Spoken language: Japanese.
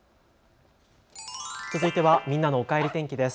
続いてはみんなのおかえり天気です。